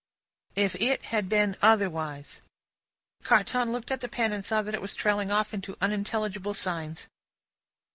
If it had been otherwise '" Carton looked at the pen and saw it was trailing off into unintelligible signs.